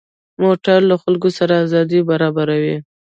موټر له خلکو سره ازادي برابروي.